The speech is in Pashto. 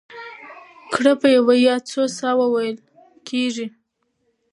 ګړه په یوه یا څو ساه وو وېل کېږي.